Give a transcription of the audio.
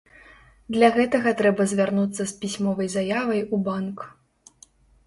Для гэтага трэба звярнуцца з пісьмовай заявай у банк.